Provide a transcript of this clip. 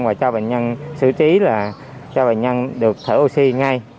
và cho bệnh nhân sử trí là cho bệnh nhân được thở oxy ngay